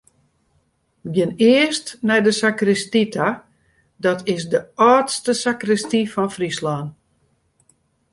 We geane earst nei de sakristy ta, dat is de âldste sakristy fan Fryslân.